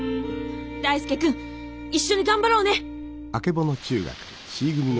大介君一緒に頑張ろうね！